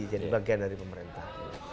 jadi bagian dari pemerintah